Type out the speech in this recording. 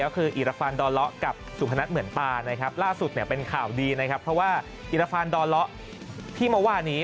ก็คืออีรฟานดอลล๊อกกับสุพนัทเหมือนปลานะครับล่าสุดเป็นข่าวดีนะครับเพราะว่าอีรฟานดอลล๊อกที่เมา่านี้